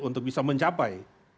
untuk bisa mencapai